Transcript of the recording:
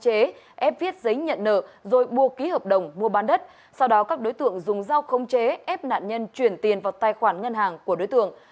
ép viết giấy nhận nở rồi bua ký hợp đồng mua bán đất sau đó các đối tượng dùng giao không chế ép nạn nhân chuyển tiền vào tài khoản ngân hàng của đối tượng